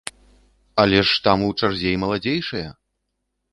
Але ж там у чарзе і маладзейшыя!